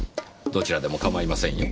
どちらでも構いませんよ。